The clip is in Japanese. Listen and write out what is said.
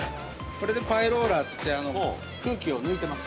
◆これ、パイローラーといって空気を抜いてます。